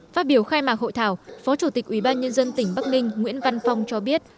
phát biểu khai mạc hội thảo phó chủ tịch ủy ban nhân dân tỉnh bắc ninh nguyễn văn phong cho biết